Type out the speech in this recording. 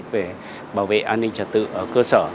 về bảo vệ an ninh trật tự ở cơ sở